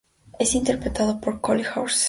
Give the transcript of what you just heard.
Es interpretado por Cole Hauser.